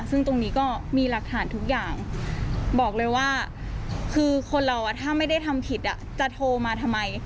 ซึ่งตรงนี้ก็มีหลักฐานทุกอย่างบอกเลยว่าคือคนเราถ้าไม่ได้ทำผิดจะโทรมาทำไม